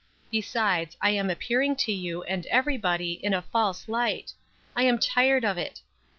Besides, I am appearing to you, and everybody, in a false light. I am tired of it.